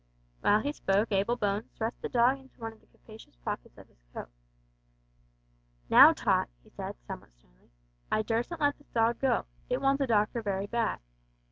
While he spoke Abel Bones thrust the dog into one of the capacious pockets of his coat. "Now, Tot," he said, somewhat sternly, "I durstn't let this dog go. It wants a doctor very bad.